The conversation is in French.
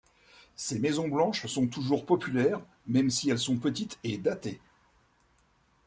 Ces maisons blanches sont toujours populaires, même si elles sont petites et datée.